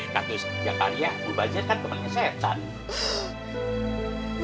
yang karya mubazir kan temennya setan